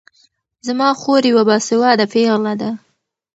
زما خور يوه باسواده پېغله ده